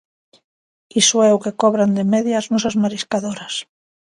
Iso é o que cobran de media as nosas mariscadoras.